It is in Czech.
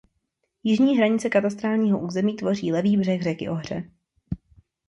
Jižní hranici katastrálního území tvoří levý břeh řeky Ohře.